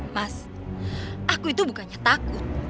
mas aku itu bukannya takut